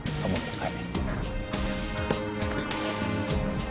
はい。